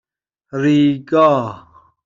ریگا